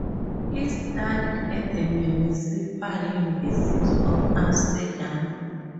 He studied at the Municipal University of Amsterdam.